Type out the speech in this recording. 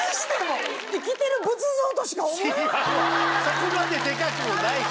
違うわそこまでデカくもないし。